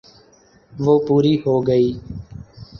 وہ پوری ہو گئی۔